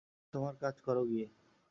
তোমার কাজ করো গিয়ে!